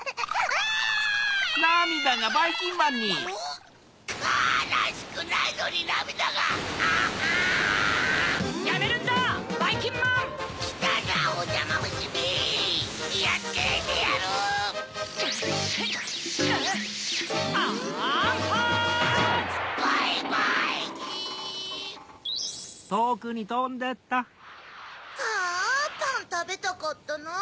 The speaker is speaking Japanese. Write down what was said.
はあパンたべたかったなぁ。